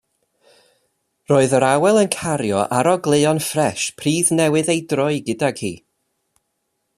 Roedd yr awel yn cario arogleuon ffres pridd newydd ei droi gydag hi.